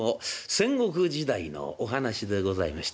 戦国時代のお話でございましてね。